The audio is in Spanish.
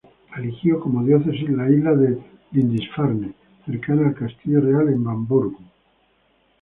Eligió como diócesis la isla de Lindisfarne, cercana al castillo real en Bamburgh.